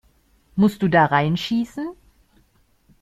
Musst du da reinschießen?